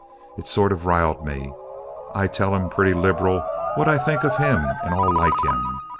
It sort of riled me. I tell him pretty liberal what I think of him and all like him.